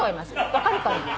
分かるかな？